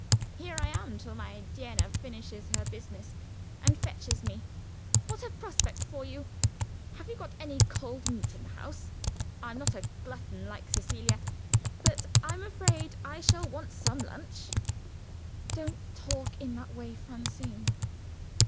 Here I am, till my duenna finishes her business and fetches me. What a prospect for You! Have you got any cold meat in the house? I'm not a glutton, like Cecilia but I'm afraid I shall want some lunch." "Don't talk in that way, Francine!"